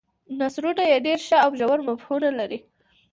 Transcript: نثرونه یې ډېر ښه او ژور مفهومونه لري.